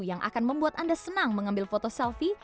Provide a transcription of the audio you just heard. yang akan membuat anda senang mengambil foto selfie